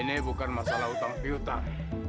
ini bukan masalah hutang pihutang